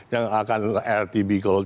yang akan rtb call